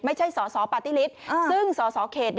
ไม่ใช่สสปตริฤษฐ์ซึ่งสสเขต